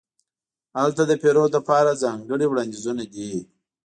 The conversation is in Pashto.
هلته د پیرود لپاره ځانګړې وړاندیزونه دي.